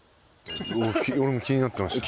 俺も気になってました。